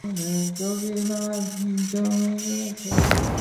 অনেকে সরাসরি সভাস্থল থেকে পরিচয়পত্র সংগ্রহ করবেন।